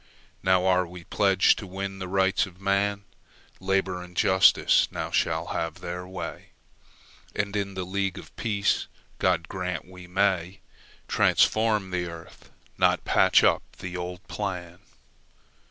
Now are we pledged to win the Rights of man; Labour and Justice now shall have their way, And in a League of Peace—God grant we may—Transform the earth, not patch up the old plan.